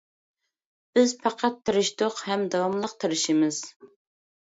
بىز پەقەت تىرىشتۇق، ھەم داۋاملىق تىرىشىمىز.